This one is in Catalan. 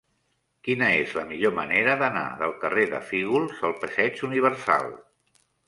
Quina és la millor manera d'anar del carrer de Fígols al passeig Universal?